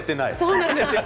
そうなんですよ。